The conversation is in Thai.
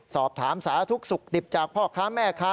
สอบถามสาธุกษ์ศุกร์ดิบจากพ่อค้าแม่ค้า